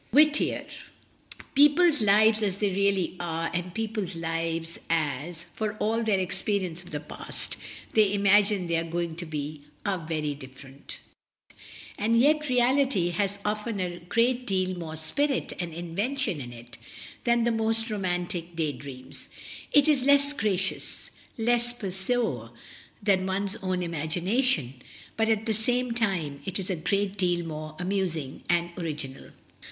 Whittier. People's lives as they really are and people's lives as (for all their experience of the past) they imagine they are going to be, are very different And yet reality has often a great deal more spirit and invention in it than the most romantic day dreams— it is less gracious, less poseur than one's own imagination, but at the same time it is a great deal more amusing and original.